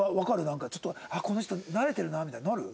なんかちょっとあっこの人慣れてるなみたいになる？